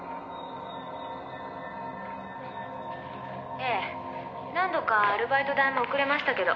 「ええ何度かアルバイト代も遅れましたけど」